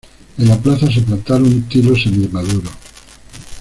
En la plaza se plantaron tilos semi-maduros.